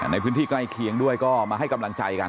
ในพื้นที่ใกล้เคียงด้วยก็มาให้กำลังใจกัน